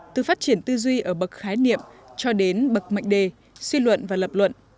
từ phát triển tư duy ở bậc khái niệm cho đến bậc mệnh đề suy luận và lập luận